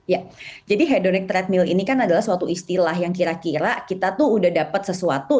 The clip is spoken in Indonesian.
ya jadi hedonic treadmill ini kan adalah suatu istilah yang kira kira kita tuh udah dapat sesuatu